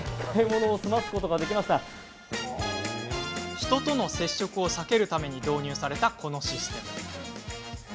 人との接触を避けるために導入された、このシステム。